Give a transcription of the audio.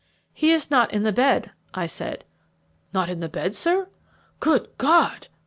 "He is not in the bed," I said. "Not in the bed, sir! Good God!"